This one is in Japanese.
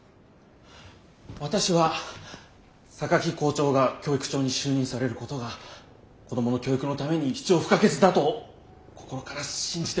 私は榊校長が教育長に就任されることが子供の教育のために必要不可欠だと心から信じておりますから。